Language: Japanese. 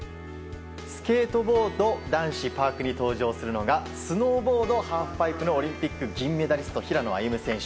スケートボード男子パークに登場するのがスノーボード・ハーフパイプのオリンピック銀メダリスト平野歩夢選手。